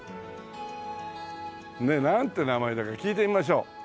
ねえなんて名前だか聞いてみましょう。